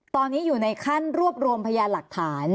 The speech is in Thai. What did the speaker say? ตอนนี้อยู่ในขั้นรวบรวมพยานหลักฐาน